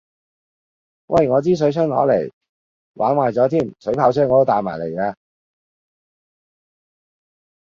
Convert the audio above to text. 喂我支水槍攞嚟，玩壞咗添，水炮車我都帶埋嚟